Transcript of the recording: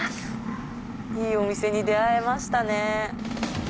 いいお店に出会えましたね。